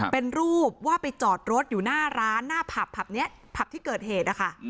เป็นรูปว่าไปจอดรถอยู่หน้าร้านหน้าผับผับนี้ผับที่เกิดเหตุนะคะ